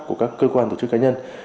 của các cơ quan tổ chức cá nhân